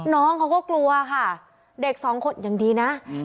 น้องเขาก็กลัวค่ะเด็กสองคนยังดีนะ